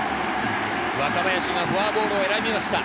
若林がフォアボールを選びました。